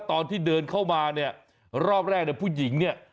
ตอนที่เดินเข้ามาเนี่ยรอบแรกเนี่ยผู้หญิงเนี่ย